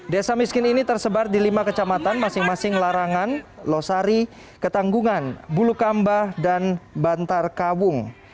desa miskin ini tersebar di lima kecamatan masing masing larangan losari ketanggungan bulukamba dan bantar kawung